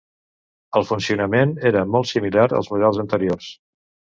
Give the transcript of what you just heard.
El funcionament era molt similar als models anteriors.